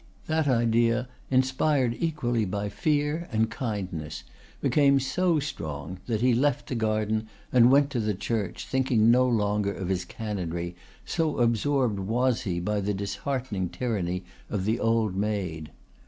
That idea, inspired equally by fear and kindness, became so strong that he left the garden and went to the church, thinking no longer of his canonry, so absorbed was he by the disheartening tyranny of the old maid.